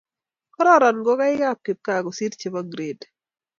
kororon ngokaikab kipgaa kosiir chebo gred